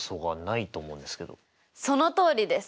そのとおりです！